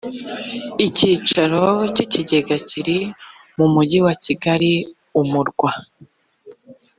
icyicaro cy ikigega kiri mu mujyi wa kigali umurwa